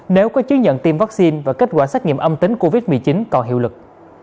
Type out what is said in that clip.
nếu có chứng nhận tiêm vaccine và kết quả xét nghiệm âm tính covid một mươi chín còn hiệu lực